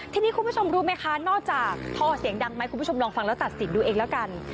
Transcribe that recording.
ทีนี้คุณผู้ชมรู้ไหมคะนอกจากท่อเสียงดังไหมคุณผู้ชมลองฟังแล้วตัดสินดูเองแล้วกัน